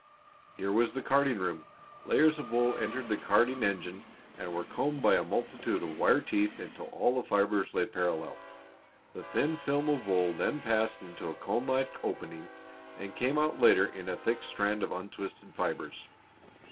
Here was the carding room. Layers of wool entered the carding engine and were combed by a multitude of wire teeth until all the fibers lay parallel; the thin film of wool then passed into a cone like opening and came out later in a thick strand of untwisted fibers.